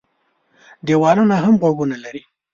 دېوالونو هم غوږونه لري.